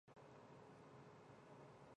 丁螺环酮用作血清素部分激动剂。